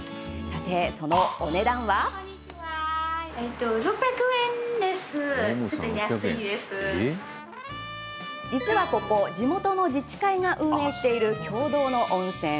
さて、そのお値段は？実はここ、地元の自治会が運営している共同の温泉。